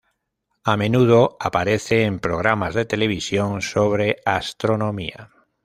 A menudo aparece en programas de televisión sobre astronomía.